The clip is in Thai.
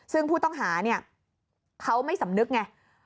ซึ่งผู้ต้องหาเนี่ยเขาไม่สำนึกไง